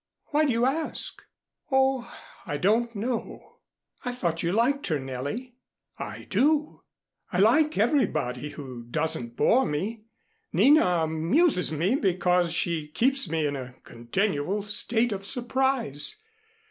Why do you ask?" "Oh I don't know " "I thought you liked her, Nellie." "I do. I like everybody who doesn't bore me. Nina amuses me because she keeps me in a continual state of surprise.